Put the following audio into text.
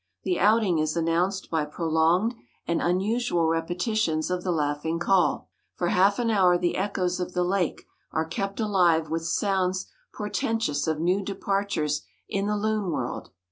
The outing is announced by prolonged and unusual repetitions of the laughing call. For half an hour the echoes of the lake are kept alive with sounds portentous of new departures in the loon world.